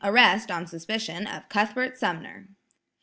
Arrest, on suspicion, of Mr. Cuthbert Sumner!"